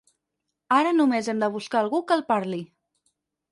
Ara només hem de buscar algú que el parli.